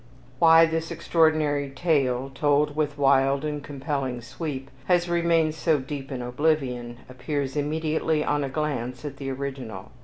Why this extraordinary tale, told with wild and compelling sweep, has remained so deep in oblivion, appears immediately on a glance at the original.